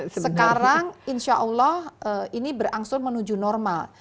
sekarang insya allah ini berangsur menuju normal